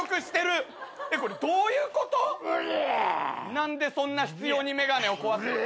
何でそんな執拗に眼鏡を壊す？